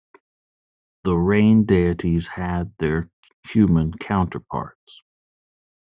The rain deities had their human counterparts.